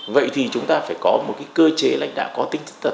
vậy thì chúng ta phải có một cái cơ chế lãnh đạo có tính thật thẻ